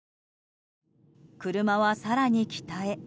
車は更に北へ。